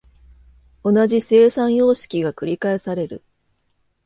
同じ生産様式が繰返される。